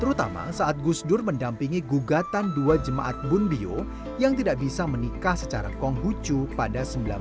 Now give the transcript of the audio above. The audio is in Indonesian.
terutama saat gus dur mendampingi gugatan dua jemaat bonbio yang tidak bisa menikah secara konghucu pada seribu sembilan ratus sembilan puluh